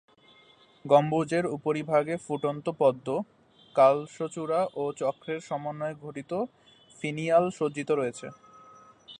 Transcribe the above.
গম্বুজের উপরিভাগে ফুটন্ত পদ্ম, কলসচূড়া ও চক্রের সমন্বয়ে গঠিত ফিনিয়াল সজ্জিত রয়েছে।